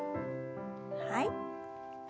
はい。